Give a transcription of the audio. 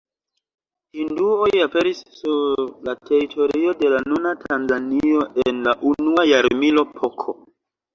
Hinduoj aperis sur la teritorio de la nuna Tanzanio en la unua jarmilo pK.